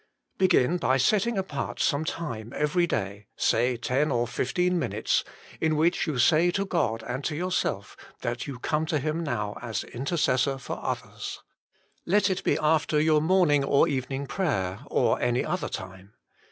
Begin by setting apart some time every day, say ten or fifteen minutes, 202 PRAY WITHOUT CEASING in which you say to God and to yourself, that you come to Him now as intercessor for others. Let it be after your morning or evening prayer, or any other time.